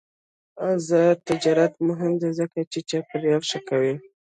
آزاد تجارت مهم دی ځکه چې چاپیریال ښه کوي.